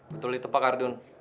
betul itu pak ardun